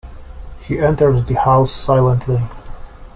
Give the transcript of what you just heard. He entered the house silently.